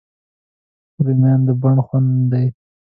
رومیان د بڼ خوند دي